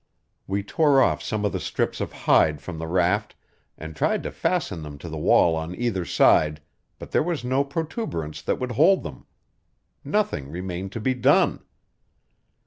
We tore off some of the strips of hide from the raft and tried to fasten them to the wall on either side, but there was no protuberance that would hold them. Nothing remained to be done.